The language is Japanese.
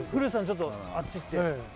ちょっとあっち行って。